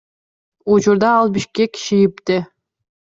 Учурда ал Бишкек ШИИБде.